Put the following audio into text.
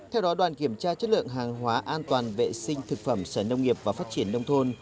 theo đó đoàn kiểm tra chất lượng hàng hóa sở nông nghiệp và phát triển nông thôn